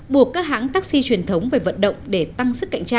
buộc các hãng taxi truyền thống về vận động